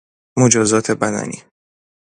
مجازات بدنی